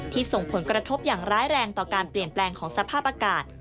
ส่งผลกระทบอย่างร้ายแรงต่อการเปลี่ยนแปลงของสภาพอากาศ